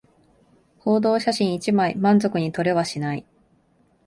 報道写真一枚満足に撮れはしない